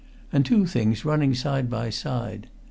And two things running side by side.